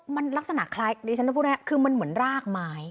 มันลักษณะคล้ายดิฉันจะพูดง่ายคือมันเหมือนรากไม้